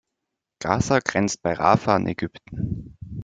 Gaza grenzt bei Rafa an Ägypten.